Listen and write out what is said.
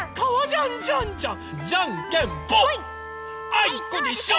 あいこでしょ！